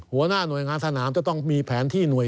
หัวหน้าหน่วยงานสนามจะต้องมีแผนที่หน่วย